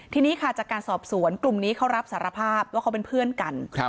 ทีนี้ค่ะจากการสอบสวนกลุ่มนี้เขารับสารภาพว่าเขาเป็นเพื่อนกัน